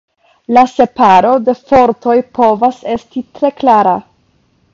La separo de fortoj povas esti tre klara.